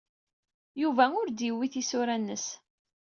Yuba ur d-yuwiy tisura-nnes.